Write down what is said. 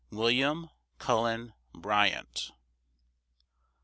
WILLIAM CULLEN BRYANT.